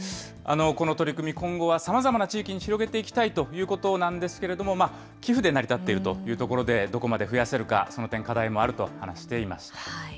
この取り組み、今後はさまざまな地域に広げていきたいということなんですけれども、寄付で成り立っているというところで、どこまで増やせるか、その点、課題もあると話していました。